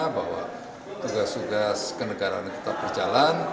bahwa tugas tugas kenegaran kita berjalan